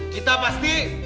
kita pasti menang